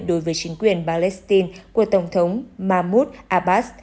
đối với chính quyền palestine của tổng thống mahmoud abbas